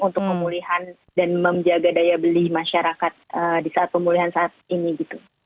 untuk pemulihan dan menjaga daya beli masyarakat di saat pemulihan saat ini gitu